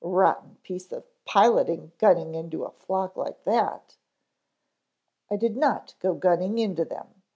Rotten piece of piloting gunning into a flock like that." "I did not go gunning into them.